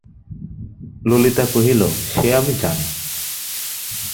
ললিতা কহিল, সে আমি জানি।